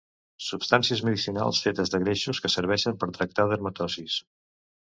Substàncies medicinals fetes de greixos que serveixen per tractar dermatosis.